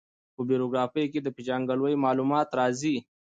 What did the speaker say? په بېوګرافي کښي د پېژندګلوي معلومات راځي.